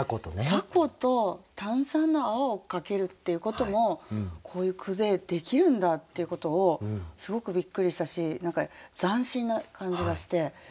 凧と炭酸の泡をかけるっていうこともこういう句でできるんだっていうことをすごくびっくりしたし何か斬新な感じがして。